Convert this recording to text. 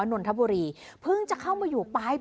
สุดทนแล้วกับเพื่อนบ้านรายนี้ที่อยู่ข้างกัน